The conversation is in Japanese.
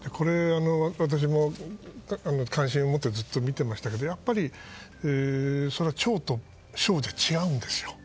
私も関心を持ってずっと見てましたけどやっぱり、庁と省じゃ違うんですよ。